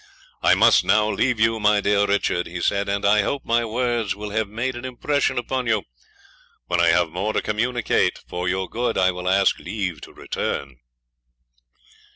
I must now leave you, my dear Richard,' he said; 'and I hope my words will have made an impression on you. When I have more to communicate for your good I will ask leave to return.'